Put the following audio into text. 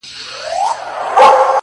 اشنـا په دې چــلو دي وپوهـېدم!!